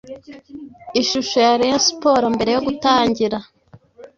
Ishusho ya Rayon Sports mbere yo gutangira